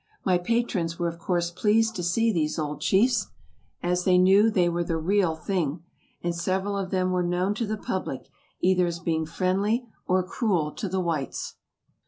My patrons were of course pleased to see these old chiefs, as they knew they were the "real thing," and several of them were known to the public, either as being friendly or cruel to the whites.